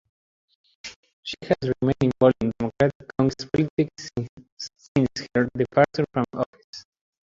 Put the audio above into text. She has remained involved in Democratic Congress politics since her departure from office.